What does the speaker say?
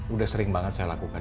udah sering banget saya lakukan